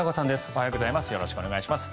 おはようございます。